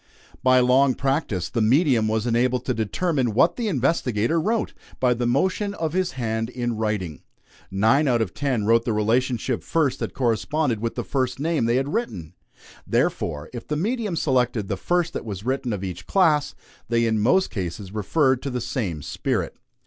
By long practice, the medium was enabled to determine what the investigator wrote, by the motion of his hand in writing. Nine out of ten wrote the relationship first that corresponded with the first name they had written. Therefore, if the medium selected the first that was written of each class, they in most cases referred to the same spirit.